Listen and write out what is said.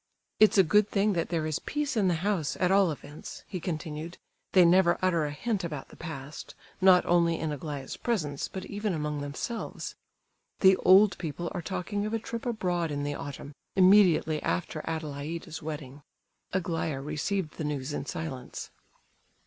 "It's a good thing that there is peace in the house, at all events," he continued. "They never utter a hint about the past, not only in Aglaya's presence, but even among themselves. The old people are talking of a trip abroad in the autumn, immediately after Adelaida's wedding; Aglaya received the news in silence."